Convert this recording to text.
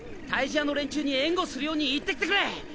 退治屋の連中に援護するように言ってきてくれ！